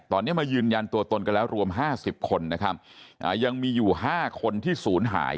ตอนนี้มายืนยันตัวตนกันแล้วรวม๕๐คนนะครับยังมีอยู่๕คนที่ศูนย์หาย